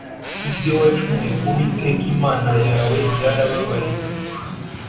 ibyo wacumuye ku Uwiteka Imana yawe byarababariwe